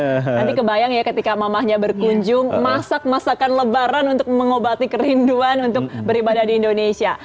nanti kebayang ya ketika mamahnya berkunjung masak masakan lebaran untuk mengobati kerinduan untuk beribadah di indonesia